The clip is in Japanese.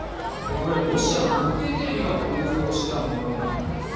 これ、ロシアの国営テレビが放送したものなんです。